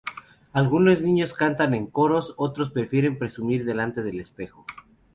Algunos niños cantan en coros, otros prefieren presumir delante del espejo.